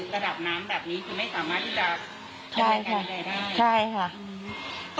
ก็คือระดับน้ำแบบนี้คือไม่สามารถที่จะใช่ค่ะใช่ค่ะ